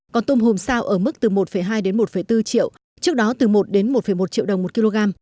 còn tôm hùm sao ở mức từ một hai đến một bốn triệu trước đó từ một đến một một triệu đồng một kg